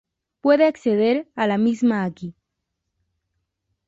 Puede acceder a la misma aqui.